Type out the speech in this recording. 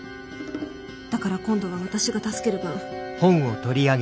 だから今度は私が助ける番。